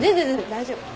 大丈夫。